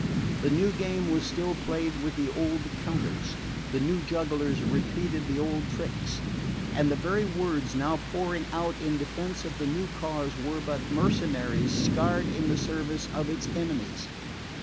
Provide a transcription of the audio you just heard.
The new game was still played with the old counters, the new jugglers repeated the old tricks; and the very words now poured out in defence of the new cause were but mercenaries scarred in the service of its enemies.